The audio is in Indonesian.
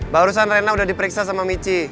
barusan rena udah diperiksa sama michi